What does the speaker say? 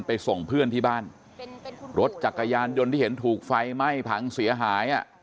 ส่งเพื่อนที่บ้านรถจักรยานยนต์ที่เห็นถูกไฟไหม้ผังเสียหายอ่ะ